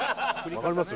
わかります？